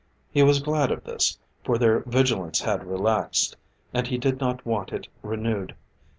He was glad of this, for their vigilance had relaxed, and he did not want it renewed.